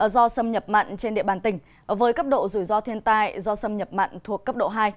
do xâm nhập mặn trên địa bàn tỉnh với cấp độ rủi ro thiên tai do xâm nhập mặn thuộc cấp độ hai